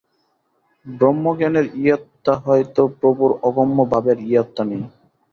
ব্রহ্মজ্ঞানের ইয়ত্তা হয় তো প্রভুর অগম্য ভাবের ইয়ত্তা নেই।